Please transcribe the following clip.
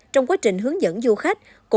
trong quá trình hướng dẫn du khách